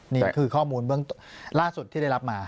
นี่คือข้อมูลล่าสุดที่ได้รับมา